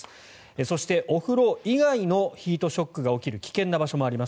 そして、お風呂以外のヒートショックが起きる危険な場所もあります。